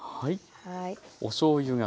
はい。